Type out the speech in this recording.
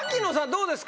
どうですか？